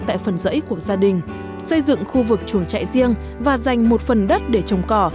tại phần rẫy của gia đình xây dựng khu vực chuồng trại riêng và dành một phần đất để trồng cỏ